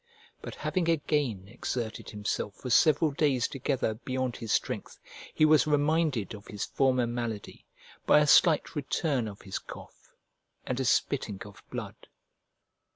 But having again exerted himself for several days together beyond his strength, he was reminded of his former malady by a slight return of his cough, and a spitting of blood.